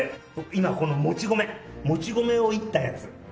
今このもち米もち米を煎ったやつ。